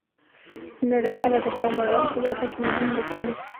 د نړیواله د پام اړولو په برخه کې مهمه بولي